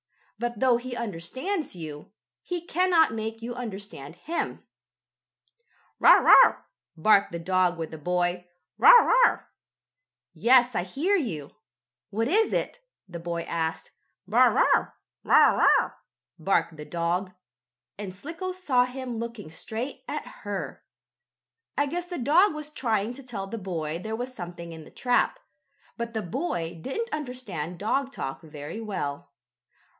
But, though he understands you, he cannot make you understand him. "Bow wow!" barked the dog with the boy. "Bow wow!" "Yes, I hear you. What is it?" the boy asked. "Bow wow! Wow! Wow!" barked the dog, and Slicko saw him looking straight at her. I guess the dog was trying to tell the boy there was something in the trap, but the boy didn't understand dog talk very well.